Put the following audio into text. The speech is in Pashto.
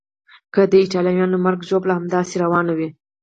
که د ایټالویانو مرګ ژوبله همداسې روانه وي.